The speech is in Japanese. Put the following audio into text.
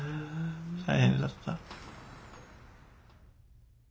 大変だった。